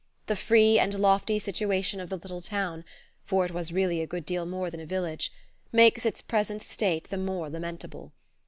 The free and lofty situation of the little town for it was really a good deal more than a village makes its present state the more lamentable.